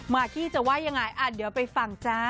กี้จะว่ายังไงเดี๋ยวไปฟังจ้า